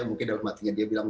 mungkin dalam hatinya dia bilang